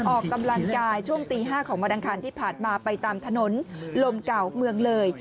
ออกกำลังกายช่วงตี๕ของวันอังคารที่ผ่านมาไปตามถนนลมเก่าเมืองเลย